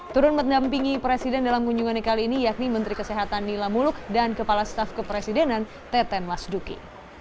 turun mendampingi presiden dalam kunjungannya kali ini yakni menteri kesehatan nila muluk dan kepala staf kepresidenan teten mas duki